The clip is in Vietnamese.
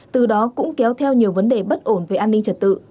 từ đó cũng kéo theo nhiều vấn đề bất ổn về an ninh trật tự